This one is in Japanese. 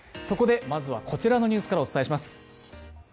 そこでまずはこちらのニュースからお伝えします。